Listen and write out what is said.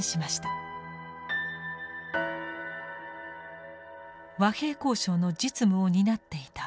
和平交渉の実務を担っていた石射。